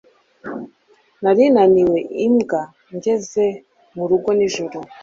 Nari naniwe imbwa ngeze murugo nijoro